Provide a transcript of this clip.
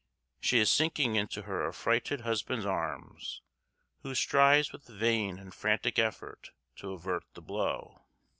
She is sinking into her affrighted husband's arms, who strives with vain and frantic effort to avert the blow.